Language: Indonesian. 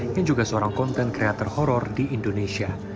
yang juga seorang konten kreator horror di indonesia